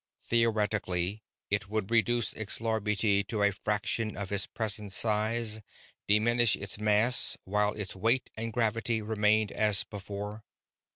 Theoretically, it would reduce Xlarbti to a fraction of its present size, diminish its mass while its weight and gravity remained as before.